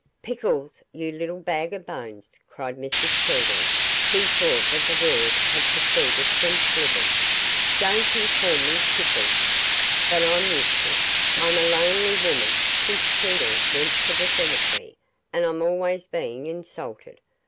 'Pickles, you little bag of bones!' cried Mrs Cheedle, who thought that the word had proceeded from Slivers, 'don't you call me "Pickles" but I'm used to it. I'm a lonely woman since Cheedle went to the cemetery, and I'm always being insulted.